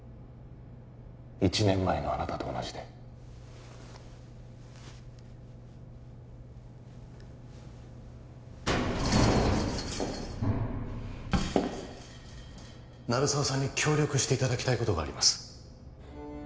１年前のあなたと同じで鳴沢さんに協力していただきたいことがあります